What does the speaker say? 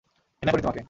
ঘৃণা করি তোমাকে!